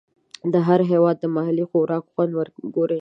د هر هېواد د محلي خوراک خوند وګورئ.